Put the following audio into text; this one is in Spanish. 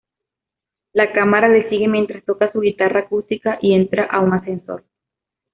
La cámara le sigue mientras toca su guitarra acústica y entra a un ascensor.